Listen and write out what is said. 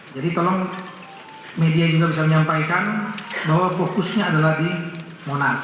jadi tolong media juga bisa menyampaikan bahwa fokusnya adalah di monas